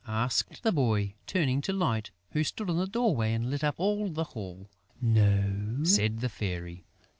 asked the boy, turning to Light, who stood in the doorway and lit up all the hall. "No," said the Fairy.